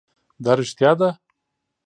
دا رښتيا ده؟